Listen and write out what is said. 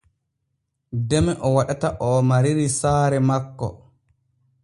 Deme o waɗata oo mariri saare makko.